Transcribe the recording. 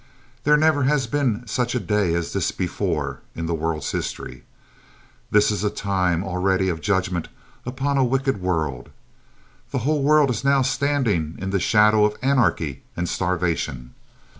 There never has been such a day as this before in the world's history. This is a time already of judgment upon a wicked world. The whole world is now standing in the shadow of anarchy and starvation.